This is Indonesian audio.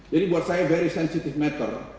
jadi buat saya very sensitive matter